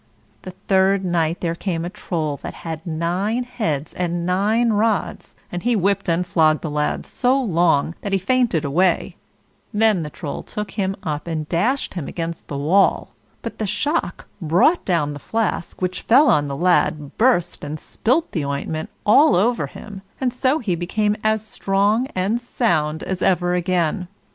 The third night there came a Troll that had nine heads and nine rods, and he whipped and flogged the lad so long that he fainted away; then the Troll took him up and dashed him against the wall; but the shock brought down the flask, which fell on the lad, burst, and spilled the ointment all over him, and so he became as strong and sound as ever again.